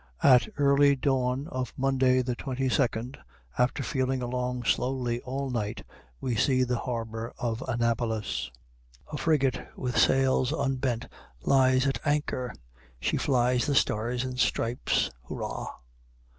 At early dawn of Monday, the 22d, after feeling along slowly all night, we see the harbor of Annapolis. A frigate with sails unbent lies at anchor. She flies the stars and stripes. Hurrah!